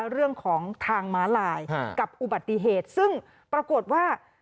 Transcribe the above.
เรื่องของทางม้าลายกับอุบัติเหตุซึ่งปรากฏว่า